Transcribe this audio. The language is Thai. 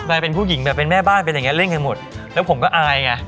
เป็นผู้หญิงแบบเป็นแม่บ้านเป็นอย่างเงี้เล่นกันหมดแล้วผมก็อายไง